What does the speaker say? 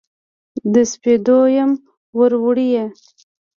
د سپېدو یم پوروړي